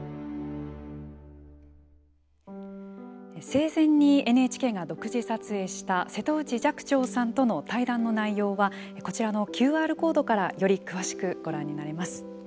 生前にＮＨＫが独自撮影した瀬戸内寂聴さんとの対談の内容はこちらのＱＲコードからより詳しくご覧になれます。